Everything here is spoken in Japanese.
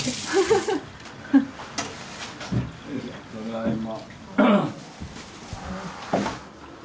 ただいま。